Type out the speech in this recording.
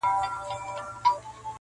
تر بچو پوري خواړه یې رسوله -